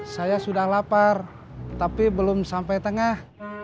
saya sudah lapar tapi belum sampai tengah